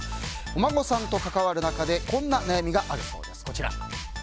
お孫さんと関わる中でこんな悩みがあるそうです。